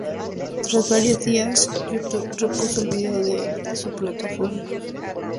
Tras varios días, youtube repuso el vídeo en su plataforma.